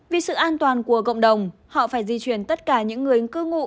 vì sự an toàn của cộng đồng họ phải di chuyển tất cả những người cư ngụ